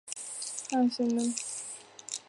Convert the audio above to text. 隼形目的鸟多在高树或悬崖上营巢。